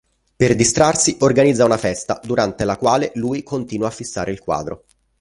Per distrarsi organizza una festa, durante la quale lui continua a fissare il quadro.